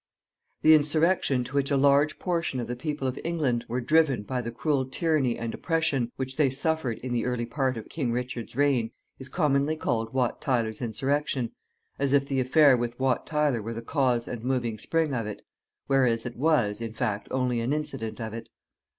The insurrection to which a large portion of the people of England were driven by the cruel tyranny and oppression which they suffered in the early part of King Richard's reign is commonly called Wat Tyler's insurrection, as if the affair with Wat Tyler were the cause and moving spring of it, whereas it was, in fact, only an incident of it.